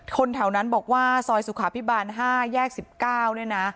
คนแถวนั้นบอกว่าซอยสุขาพิบาล๕แยก๑๙เนี่ยนะ